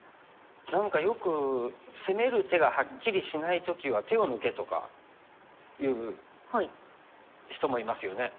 何かよく攻める手がはっきりしない時は手を抜けとか言う人もいますよね。